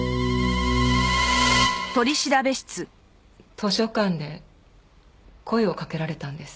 図書館で声をかけられたんです。